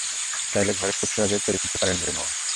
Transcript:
চাইলে ঘরে খুব সহজেই তৈরি করতে পারেন মুড়ির মোয়া।